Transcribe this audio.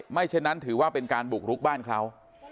ไม่เช่นนั้นถือว่าเป็นการปลุกรุกบ้านเข้า